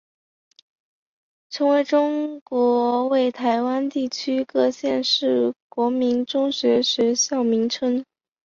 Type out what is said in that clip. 成功国中为台湾地区各县市国民中学学校名称。